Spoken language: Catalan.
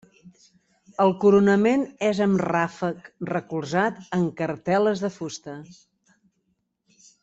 El coronament és amb ràfec recolzat en cartel·les de fusta.